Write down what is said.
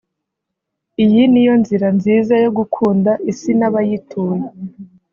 Iyi niyo nzira nziza yo gukunda isi n’abayituye